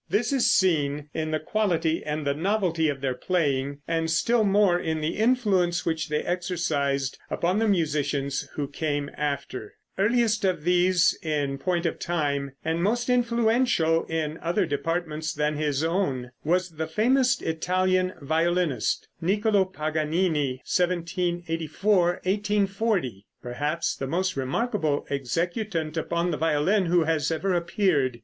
This is seen in the quality and the novelty of their playing, and still more in the influence which they exercised upon the musicians who came after. [Illustration: [autograph] N. Paganini Fig. 80.] Earliest of these in point of time, and most influential in other departments than his own, was the famous Italian violinist, Nicolo Paganini (1784 1840), perhaps the most remarkable executant upon the violin who has ever appeared.